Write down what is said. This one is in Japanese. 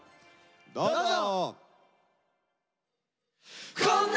どうぞ！